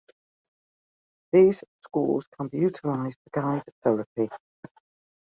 These scores can be utilized to guide therapy.